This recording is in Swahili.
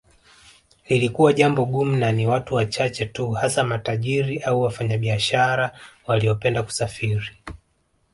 Lilikuwa jambo gumu na ni watu wachache tu hasa matajiri au wafanyabiashara waliopenda kusafiri